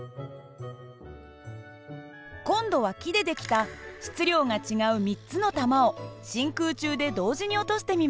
今度は木で出来た質量が違う３つの球を真空中で同時に落としてみます。